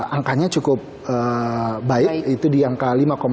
angkanya cukup baik itu di angka lima tiga puluh lima